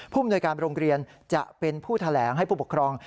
มนวยการโรงเรียนจะเป็นผู้แถลงให้ผู้ปกครอง